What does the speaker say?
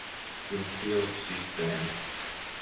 Jums pieliks sistēmu.